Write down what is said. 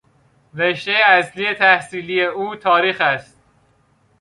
رشتهی اصلی تحصیلی او تاریخ است.